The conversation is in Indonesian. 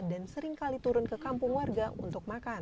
dan seringkali turun ke kampung warga untuk makan